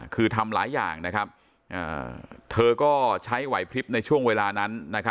คือทำหลายอย่างนะครับเธอก็ใช้ไหวพลิบในช่วงเวลานั้น